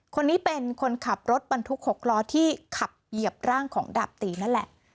คนนี้เป็นคนขับรถบรรทุก๖ล้อที่ขับเหยียบร่างของดาบตีนั่นแหละ